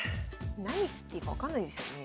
何していいか分かんないですよね。